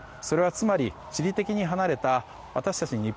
それは、つまり地理的に離れた私たち